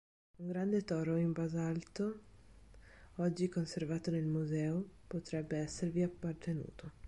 Un grande toro in basalto, oggi conservato nel museo, potrebbe esservi appartenuto.